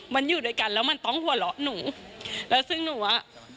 มันอยู่ด้วยกันแล้วมันต้องหัวเราะหนูแล้วซึ่งหนูอ่ะ